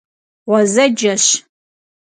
Ğuezeceş.